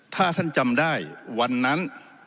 ถ้าท่านจำได้วันนั้น